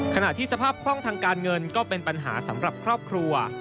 ขณะที่สภาพคล่องทางการเงินก็เป็นปัญหาสำหรับครอบครัว